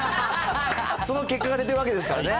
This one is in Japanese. その結果が出てるわけですからね。